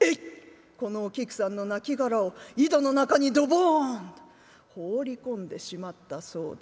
このお菊さんのなきがらを井戸の中にどぼんと放り込んでしまったそうだ」。